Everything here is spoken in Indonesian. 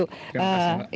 terima kasih mbak